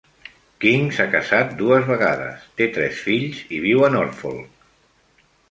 King s'ha casat dues vegades, té tres fills i viu a Norfolk.